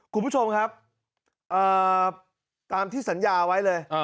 คุณผู้ชมครับตามที่สัญญาไว้เลย